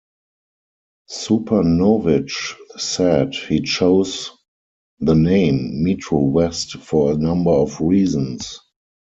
Supernovich said he chose the name, MetroWest, for a number of reasons.